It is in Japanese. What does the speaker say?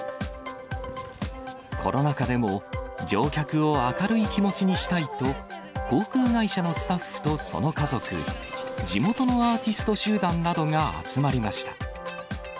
コロナ禍でも、乗客を明るい気持ちにしたいと、航空会社のスタッフとその家族、地元のアーティスト集団などが集まりました。